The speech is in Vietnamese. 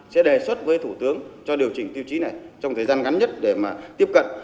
sẽ đề xuất với thủ tướng cho điều chỉnh tiêu chí này trong thời gian ngắn nhất để mà tiếp cận